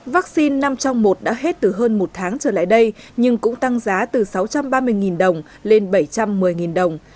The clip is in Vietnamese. vaccine năm trong một đã hết từ hơn một tháng trở lại đây nhưng cũng tăng giá từ sáu trăm ba mươi đồng lên bảy trăm một mươi đồng